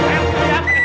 pak dek pak dek